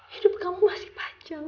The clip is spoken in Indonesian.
hidup kamu masih panjang